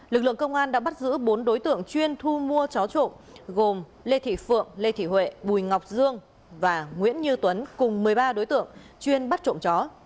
lực lượng công an đã bắt giữ bốn đối tượng chuyên thu mua chó trộm gồm lê thị phượng lê thị huệ bùi ngọc dương và nguyễn thị phượng